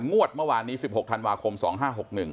งวดเมื่อกดนี้สิบหกธันวาคมสองห้าหกหนึ่ง